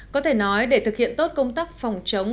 có thể nói để thực hiện tốt công tác phòng chống